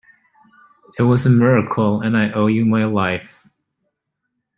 It was a miracle, and I owe you my life.